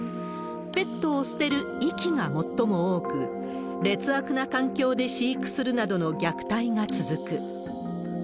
ペットを捨てる遺棄が最も多く、劣悪な環境で飼育するなどの虐待が続く。